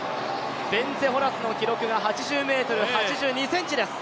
ベンツェ・ホラスの記録が８０ｍ８２ｃｍです。